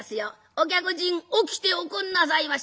お客人起きておくんなさいまし。